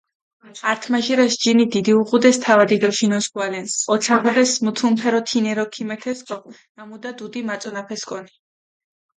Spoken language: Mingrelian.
ართიმაჟირაშ ჯინი დიდი უღუდეს თავადი დო ჟინოსქუალენს, ოცადუდეს მუთუნფერო, თინერო ქიმერთესკო ნამუდა დუდი მაწონაფესკონი.